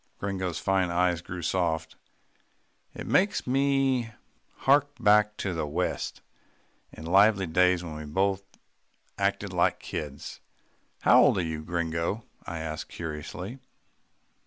Gringo's fine eyes grew soft. "It makes me hark back to the west, and lively days when we both acted like kids." "How old are you, Gringo?" I asked curiously.